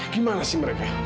gimana sih mereka